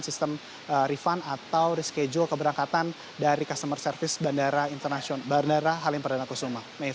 sistem refund atau reschedule keberangkatan dari customer service bandara halim perdana kusuma